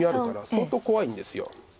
相当怖いんです。